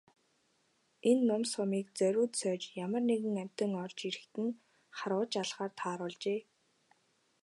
Энэ нум сумыг зориуд сойж ямар нэгэн амьтан орж ирэхэд нь харваж алахаар тааруулжээ.